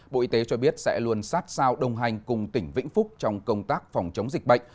bộ y tế cho biết sẽ luôn sát sao đồng hành cùng tỉnh vĩnh phúc trong công tác phòng chống dịch bệnh